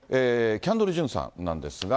キャンドル・ジュンさんなんですが。